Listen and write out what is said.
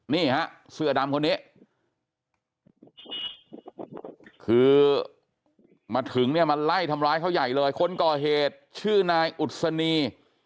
นี่ฮะเสื้อดำคนนี้คือมาถึงเนี่ยมาไล่ทำร้ายเขาใหญ่เลยคนก่อเหตุชื่อนายอุศนี